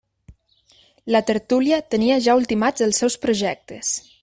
La tertúlia tenia ja ultimats els seus projectes.